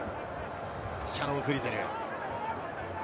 シャノン・フリゼル。